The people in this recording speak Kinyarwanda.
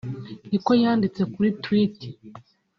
” ni ko yanditse kuri twitt